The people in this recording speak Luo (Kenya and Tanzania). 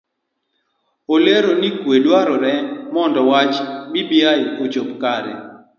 Olero ni kue dwarore mondo wach mar bbi ochop kare.